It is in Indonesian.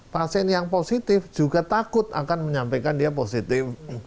pasien yang positif juga takut akan menyampaikan dia positif